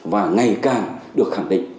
và ngày càng được khẳng định